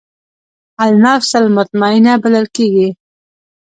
النفس المطمئنه بلل کېږي.